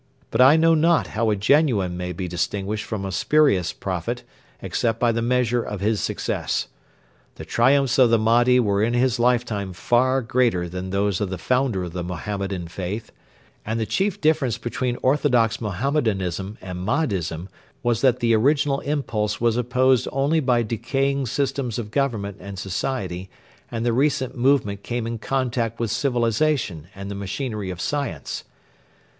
But I know not how a genuine may be distinguished from a spurious Prophet, except by the measure of his success. The triumphs of the Mahdi were in his lifetime far greater than those of the founder of the Mohammedan faith; and the chief difference between orthodox Mohammedanism and Mahdism was that the original impulse was opposed only by decaying systems of government and society and the recent movement came in contact with civilisation and the machinery of science.